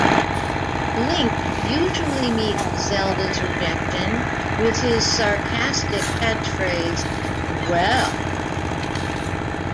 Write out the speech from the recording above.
Link usually meets Zelda's rejection with his sarcastic catchphrase, Well!